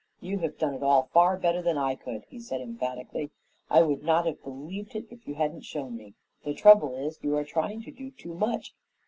"You have done it all far better than I could," he said emphatically. "I would not have believed it if you hadn't shown me. The trouble is, you are trying to do too much.